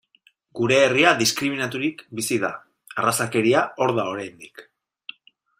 Gure herria diskriminaturik bizi da, arrazakeria hor da oraindik.